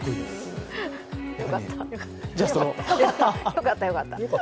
よかった、よかった。